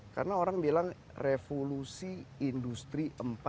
karena orang bilang revolusi industri empat